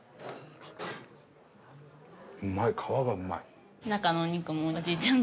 うまい皮がうまい！